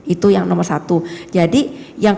itu yang nomor satu jadi yang